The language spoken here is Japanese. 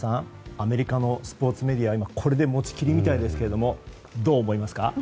アメリカのスポーツメディアは今これで持ち切りみたいですけどどう思いますか？